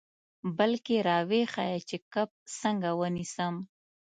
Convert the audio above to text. بلکې را وښیه چې کب څنګه ونیسم.